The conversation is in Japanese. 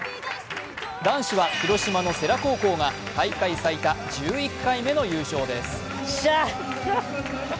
男子は広島の世羅高校が大会最多１１回目の優勝です。